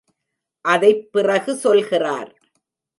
அதைப் பிறகு சொல்கிறார்.